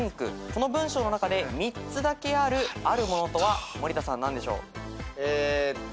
この文章の中で３つだけあるあるものとは森田さん何でしょう？